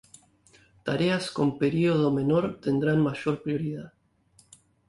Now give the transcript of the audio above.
Tareas con periodo menor tendrán mayor prioridad.